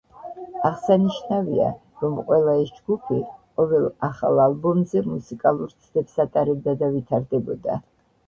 აღსანიშნავია, რომ ყველა ეს ჯგუფი ყოველ ახალ ალბომზე მუსიკალურ ცდებს ატარებდა და ვითარდებოდა.